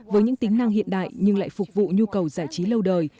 với những tính năng hiện đại nhưng lại phục vụ nhu cầu giải trí lâu đời